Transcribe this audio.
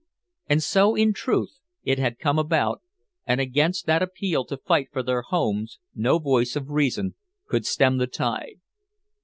And so in truth it had come about, and against that appeal to fight for their homes no voice of reason could stem the tide.